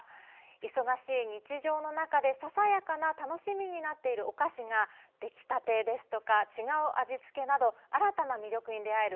忙しい日常の中でささやかな楽しみになっているお菓子が出来たてですとか違う味付けなど新たな魅力に出会える